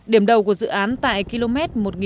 điểm đầu của dự án tại km